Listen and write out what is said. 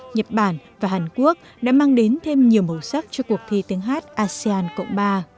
nhật bản và hàn quốc đã mang đến thêm nhiều màu sắc cho cuộc thi tiếng hát asean cộng ba